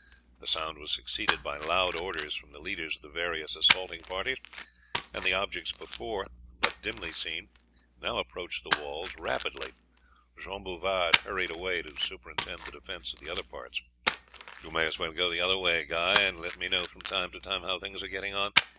The sound was succeeded by loud orders from the leaders of the various assaulting parties, and the objects before but dimly seen, now approached the walls rapidly. Jean Bouvard hurried away to superintend the defence at other parts. "You may as well go the other way, Guy, and let me know from time to time how things are getting on.